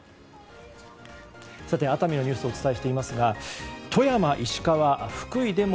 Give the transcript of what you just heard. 熱海のニュースをお伝えしていますが富山、石川、福井でも